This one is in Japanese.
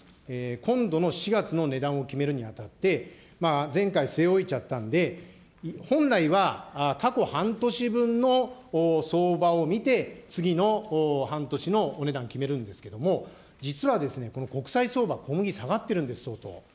今度の４月の値段を決めるにあたって、前回据え置いちゃったんで、本来は過去半年分の相場を見て、次の半年のお値段決めるんですけれども、実はですね、この国際相場、小麦下がってるんです、相当。